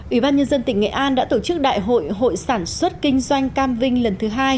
ủy ban nhân dân tỉnh nghệ an đã tổ chức đại hội hội sản xuất kinh doanh cam vinh lần thứ hai